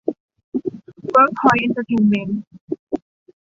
เวิร์คพอยท์ เอ็นเทอร์เทนเมนท์